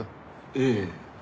ええ。